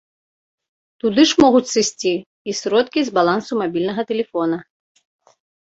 Туды ж могуць сысці і сродкі з балансу мабільнага тэлефона.